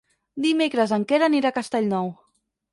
Dimecres en Quer anirà a Castellnou.